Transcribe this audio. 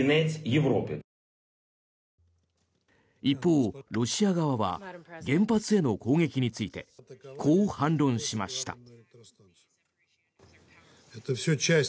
一方、ロシア側は原発への攻撃についてこう反論しました。